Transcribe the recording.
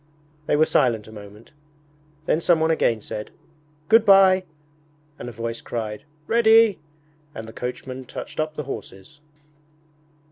They were silent a moment. Then someone again said, 'Good bye,' and a voice cried, 'Ready,' and the coachman touched up the horses.